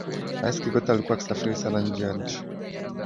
rais kikwete alikuwa akisafiri sana nje ya nchi